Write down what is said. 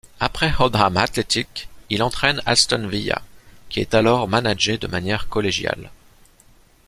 Après Oldham Athletic, il entraîne Aston Villa qui est alors managé de manière collégiale.